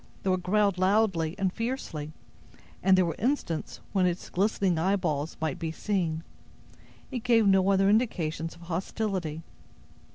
Though it growled loudly and fiercely, and there were instants when its glistening eyeballs might be seen, it gave no other indications of hostility.